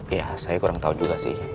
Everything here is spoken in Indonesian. ya saya kurang tahu juga sih